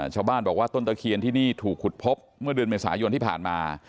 ชาวบ้านบอกว่าต้นตะเคียนที่นี่ถูกขุดพบเมื่อเดือนเมษายนที่ผ่านมา